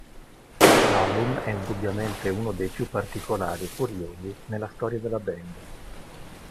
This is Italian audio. L'album è indubbiamente uno dei più particolari e curiosi nella storia della band.